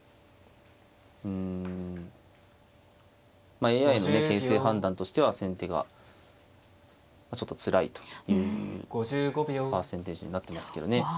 うんまあＡＩのね形勢判断としては先手がちょっとつらいというパーセンテージになってますけどね。